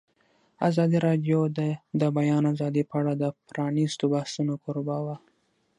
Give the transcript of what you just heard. ازادي راډیو د د بیان آزادي په اړه د پرانیستو بحثونو کوربه وه.